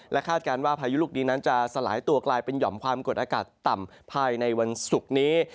คาดการณ์ว่าพายุลูกนี้นั้นจะสลายตัวกลายเป็นหย่อมความกดอากาศต่ำภายในวันศุกร์นี้